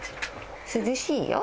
涼しいよ